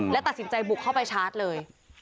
และตัดสินใจบุกเข้าไปชาร์จเลย